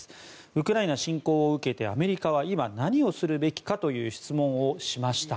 ウクライナ侵攻を受けてアメリカは今、何をするべきかという質問をしました。